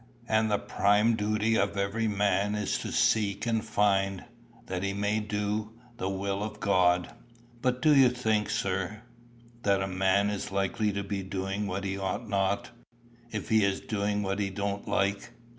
And the prime duty of every man is to seek and find, that he may do, the will of God." "But do you think, sir, that a man is likely to be doing what he ought not, if he is doing what he don't like?"